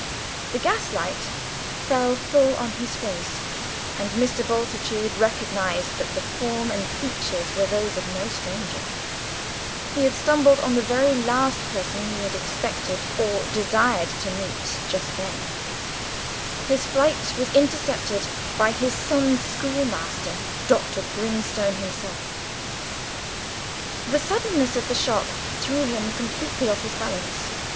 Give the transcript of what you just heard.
The gas light fell full on his face, and Mr. Bultitude recognised that the form and features were those of no stranger he had stumbled upon the very last person he had expected or desired to meet just then his flight was intercepted by his son's schoolmaster, Dr. Grimstone himself! The suddenness of the shock threw him completely off his balance.